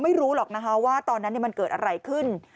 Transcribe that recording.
ไม่รู้หรอกนะคะว่าตอนนั้นมันเกิดอะไรขึ้น